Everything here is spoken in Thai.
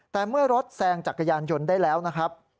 แต่เมื่อรถแซงจักรยานยนต์ได้แล้วนะครับ